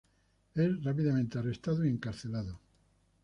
Es rápidamente arrestado y encarcelado.